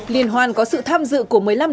liên hoàn có sự tham dự của một mươi năm đồng